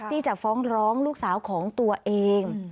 ที่จะฟ้องร้องลูกสาวของตัวเอง